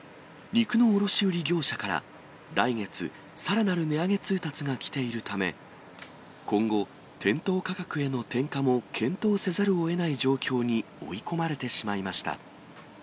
肉の卸売業者から、来月、さらなる値上げ通達が来ているため、今後、店頭価格への転嫁も検討せざるをえない状況に追い込まれてしまいました。